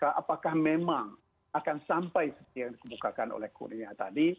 apakah memang akan sampai seperti yang dikemukakan oleh kurnia tadi